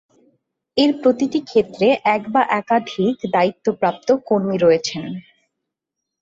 এর প্রতিটি ক্ষেত্রে এক বা একাধিক দায়িত্বপ্রাপ্ত কর্মী রয়েছেন।